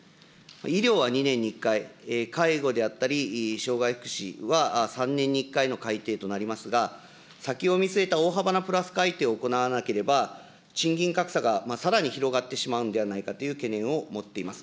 医療は２年に１回、介護であったり、障害福祉は３年に１回の改定となりますが、先を見据えた大幅なプラス改定を行わなければ、賃金格差がさらに広がってしまうんではないかという懸念を持っています。